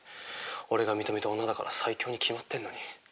俺が認めた女だから最強に決まってんのに！